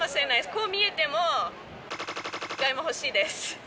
こう見えてもが欲しいです。